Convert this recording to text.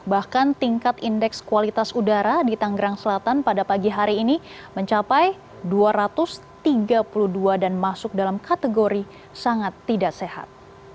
bahkan tingkat indeks kualitas udara di tanggerang selatan pada pagi hari ini mencapai dua ratus tiga puluh dua dan masuk dalam kategori sangat tidak sehat